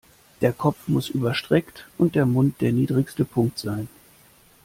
Der Kopf muss überstreckt und der Mund der niedrigste Punkt sein.